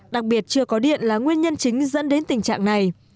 đặc biệt chưa có điện là nguyên nhân chính dẫn đến tình trạng này